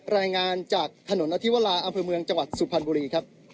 รายงานจากถนนอธิวราอำเภอเมืองจังหวัดสุพรรณบุรีครับ